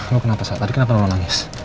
lu kenapa sa tadi kenapa lu nangis